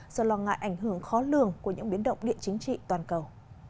do lo ngại ảnh hưởng khó lường của những biến động địa chính trị toàn cầu